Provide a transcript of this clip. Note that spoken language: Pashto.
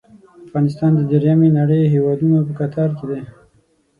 افغانستان د دریمې نړۍ هیوادونو په کتار کې دی.